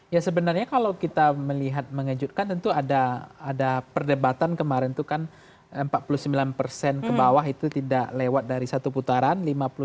ya sebenarnya kalau kita melihat mengejutkan tentu ada perdebatan kemarin itu kan empat puluh sembilan persen ke bawah itu tidak lewat dari satu putaran